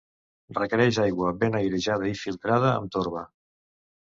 Requereix aigua ben airejada i filtrada amb torba.